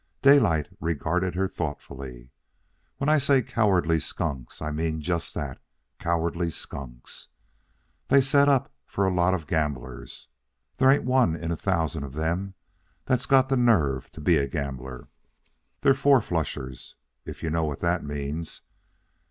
Daylight regarded her thoughtfully. "When I say cowardly skunks, I mean just that, cowardly skunks. They set up for a lot of gamblers, and there ain't one in a thousand of them that's got the nerve to be a gambler. They're four flushers, if you know what that means.